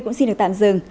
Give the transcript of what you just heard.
cũng xin được tạm dừng